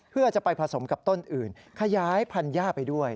เพื่อจะไปผสมกับต้นอื่นขยายพันย่าไปด้วย